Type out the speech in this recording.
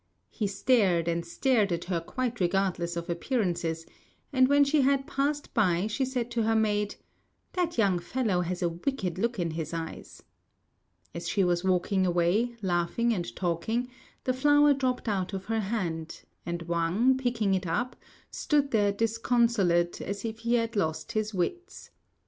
He stared and stared at her quite regardless of appearances; and when she had passed by, she said to her maid, "That young fellow has a wicked look in his eyes." As she was walking away, laughing and talking, the flower dropped out of her hand; and Wang, picking it up, stood there disconsolate as if he had lost his wits.